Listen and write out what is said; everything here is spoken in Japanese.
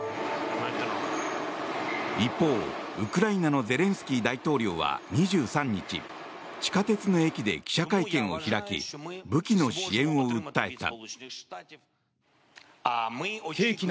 一方、ウクライナのゼレンスキー大統領は２３日地下鉄の駅で記者会見を開き武器の支援を訴えた。